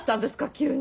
急に。